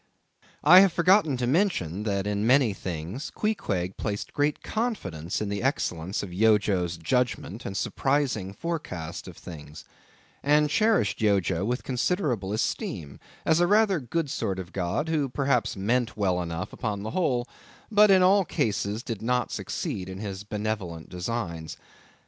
I have forgotten to mention that, in many things, Queequeg placed great confidence in the excellence of Yojo's judgment and surprising forecast of things; and cherished Yojo with considerable esteem, as a rather good sort of god, who perhaps meant well enough upon the whole, but in all cases did not succeed in his benevolent designs.